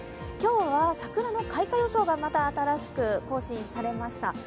今日は桜の開花予想がまた新しく更新されました。